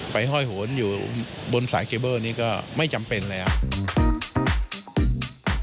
ห้อยโหนอยู่บนสายเคเบิ้ลนี้ก็ไม่จำเป็นเลยครับ